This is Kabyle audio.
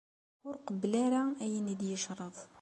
Ur qebbel ara ayen i d-yecreḍ.